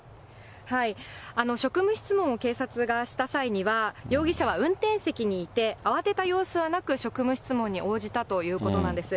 職務質問を警察がした際には、容疑者は運転席にいて、慌てた様子はなく、職務質問に応じたということなんです。